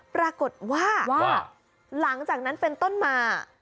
ปรากฏว่าหลังจากนั้นเป็นต้นมา